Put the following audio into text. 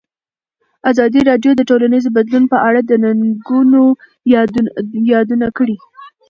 ازادي راډیو د ټولنیز بدلون په اړه د ننګونو یادونه کړې.